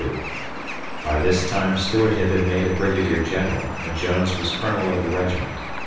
By this time Stuart had been made a brigadier general, and Jones was colonel of the regiment.